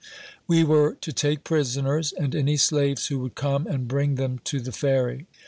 We were to take prisoners, and any slaves who would come, and bring them to the Ferry.